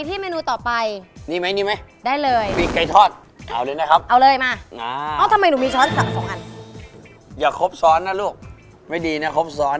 แต่ถ้าใครชอบแบบ